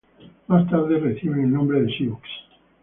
Más tarde reciben el nombre de "Sioux".